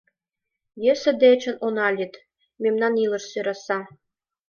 Йӧсӧ дечын она лӱд Мемнан илыш сӧраса.